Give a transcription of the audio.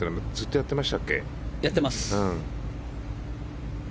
やってます。